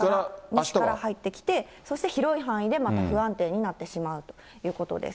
西から入ってきて、広い範囲でまた不安定になってしまうということです。